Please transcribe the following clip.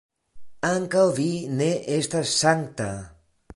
Ankaŭ vi ne estas sankta.